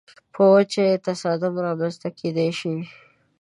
په وجه یې تصادم رامنځته کېدای شي.